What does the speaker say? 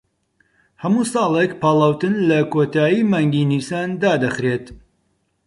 هەموو ساڵێک پاڵاوتن لە کۆتایی مانگی نیسان دادەخرێت